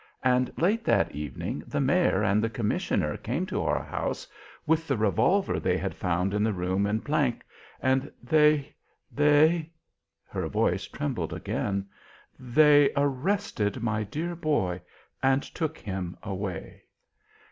And late that evening the Mayor and the Commissioner came to our house with the revolver they had found in the room in G , and they they " her voice trembled again, "they arrested my dear boy and took him away."